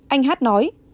anh h nói